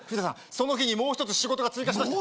その日にもう一つ仕事が追加しました